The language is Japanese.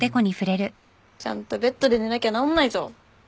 ちゃんとベッドで寝なきゃ治んないぞ。